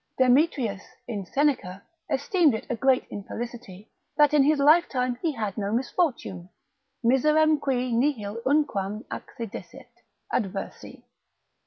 Demetrius, in Seneca, esteemed it a great infelicity, that in his lifetime he had no misfortune, miserum cui nihil unquam accidisset, adversi.